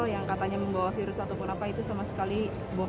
yang katanya membawa virus ataupun apa itu sama sekali